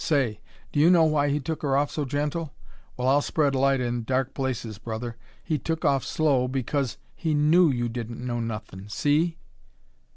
Say, do you know why he took her off so gentle? Well, I'll spread light in dark places, brother. He took off slow because he knew you didn't know nothin', see?"